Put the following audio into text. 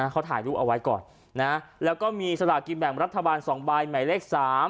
เขาถ่ายรูปเอาไว้ก่อนนะแล้วก็มีสลากินแบ่งรัฐบาล๒ใบหมายเลข๓